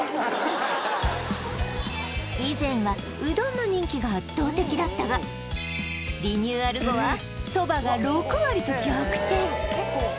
以前はうどんの人気が圧倒的だったがリニューアル後はそばが６割と逆転